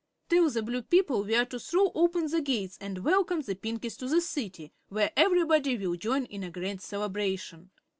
Tell the Blue people we are to throw open the gates and welcome the Pinkies to the City, where everybody will join in a grand celebration.